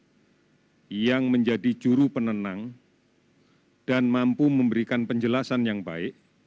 kami juga akan menjadi juru penenang dan mampu memberikan penjelasan yang baik